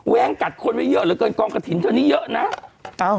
วงกัดคนไว้เยอะเหลือเกินกองกระถิ่นเท่านี้เยอะนะ